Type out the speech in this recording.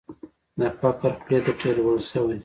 د فقر خولې ته ټېل وهل شوې.